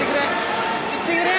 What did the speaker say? いってくれ！